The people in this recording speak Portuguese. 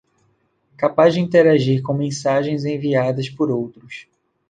capaz de interagir com mensagens enviadas por outros